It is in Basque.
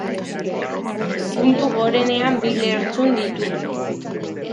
Puntu gorenean bi lertxun ditu.